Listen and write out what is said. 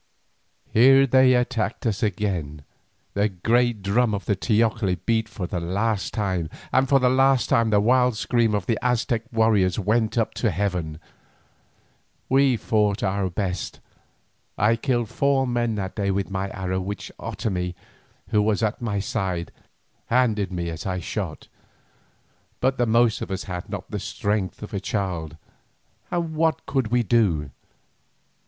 Here they attacked us again. The great drum on the teocalli beat for the last time, and for the last time the wild scream of the Aztec warriors went up to heaven. We fought our best; I killed four men that day with my arrows which Otomie, who was at my side, handed me as I shot. But the most of us had not the strength of a child, and what could we do?